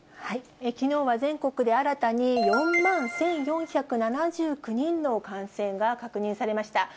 きのうは全国で新たに４万１４７９人の感染が確認されました。